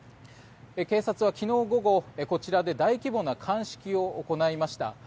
警察は昨日午後、こちらで大規模な鑑識を行いました。